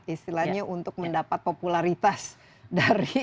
istilahnya untuk mendapat popularitas dari